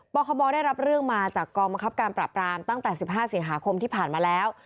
คบได้รับเรื่องมาจากกองบังคับการปราบรามตั้งแต่๑๕สิงหาคมที่ผ่านมาแล้ว